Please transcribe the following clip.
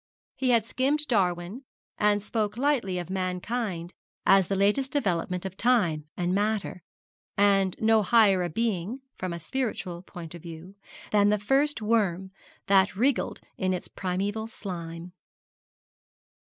He had skimmed Darwin, and spoke lightly of mankind as the latest development of time and matter, and no higher a being, from a spiritual point of view, than the first worm that wriggled in its primeval slime.